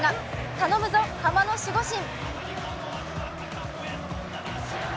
頼むぞハマの守護神。